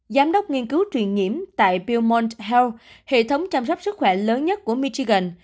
giám đốc nghiên cứu truyền nhiễm tại belmont health hệ thống chăm sóc sức khỏe lớn nhất của michigan